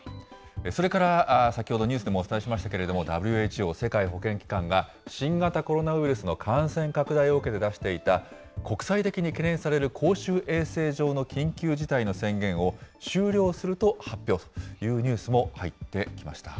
それから先ほどニュースでもお伝えしましたけれども、ＷＨＯ・世界保健機関が、新型コロナウイルスの感染拡大を受けて出していた国際的に懸念される公衆衛生上の緊急事態の宣言を、終了すると発表というニュースも入ってきました。